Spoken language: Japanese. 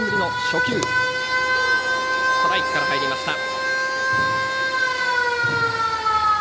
ストライクから入りました。